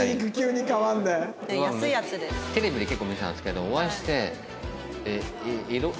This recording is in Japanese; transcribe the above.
テレビで結構見てたんですけどお会いして。